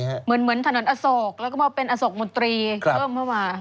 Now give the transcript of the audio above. เหมือนถนนอศกแล้วก็เป็นอศกมดรีเพื่อม